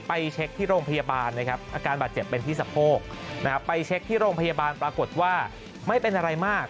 ไปเช็คที่โรงพยาบาลนะครับอาการบาดเจ็บเป็นที่สะโพกนะครับไปเช็คที่โรงพยาบาลปรากฏว่าไม่เป็นอะไรมาก